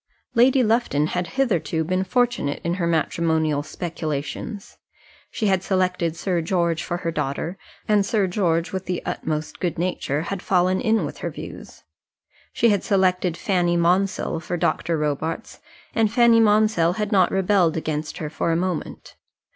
Lady Lufton had hitherto been fortunate in her matrimonial speculations. She had selected Sir George for her daughter, and Sir George, with the utmost good nature, had fallen in with her views. She had selected Fanny Monsell for Mr. Robarts, and Fanny Monsell had not rebelled against her for a moment.